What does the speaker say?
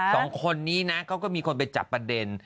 สองคนนี้นะเขาก็มีคนไปจับประเด็น